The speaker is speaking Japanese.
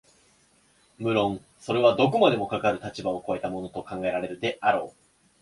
無論それはどこまでもかかる立場を越えたものと考えられるであろう、